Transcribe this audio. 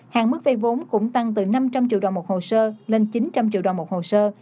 hàng mức vay vốn cũng tăng từ năm trăm linh triệu đồng một hồ sơ lên chín trăm linh triệu đồng một hồ sơ